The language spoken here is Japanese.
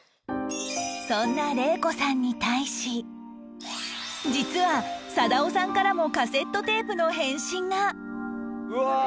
そんな令子さんに対し実は貞雄さんからもカセットテープの返信がうわー！